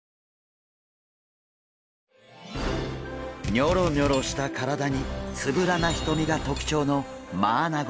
ニョロニョロした体につぶらな瞳が特徴のマアナゴ。